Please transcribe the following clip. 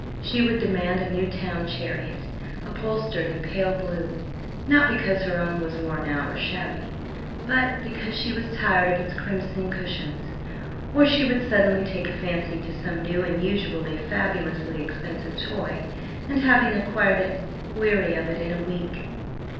She would demand a new town chariot, upholstered in pale blue, not because her own was worn or shabby, but because she was tired of its crimson cushions. Or she would suddenly take a fancy to some new, and usually fabulously expensive toy, and having acquired it, weary of it in a week.